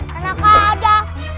tenang kak ada